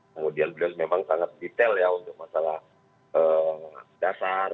kemudian beliau memang sangat detail ya untuk masalah dasar